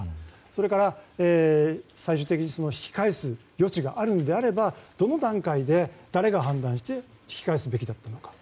それから最終的に引き返す余地があるのであればどの段階で誰が判断して引き返すべきだったのか。